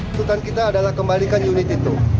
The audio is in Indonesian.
tuntutan kita adalah kembalikan unit itu